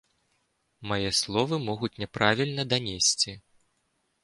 Мае словы могуць няправільна данесці.